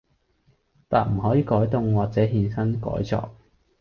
但唔可以改動或者衍生改作